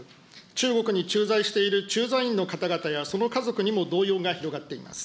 中国に駐在している駐在員の方々やその家族にも動揺が広がっています。